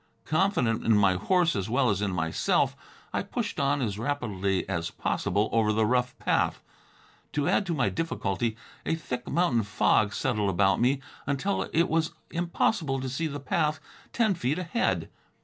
Confident in my horse as well as in myself, I pushed on as rapidly as possible over the rough path. To add to my difficulty, a thick mountain fog settled about me until it was impossible to see the path ten feet ahead.